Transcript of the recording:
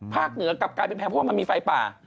เหนือกลับกลายเป็นแพงเพราะว่ามันมีไฟป่า